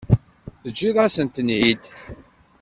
Teǧǧiḍ-asen-ten-id.